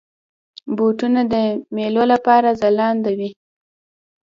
بوټونه د میلو لپاره ځلنده وي.